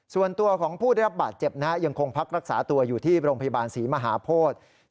ส่วนตัวของผู้ได้รับบาดเจ็บยังคงพักรักษาตัวอยู่ที่โรงพยาบาลศรีมหาโพธิ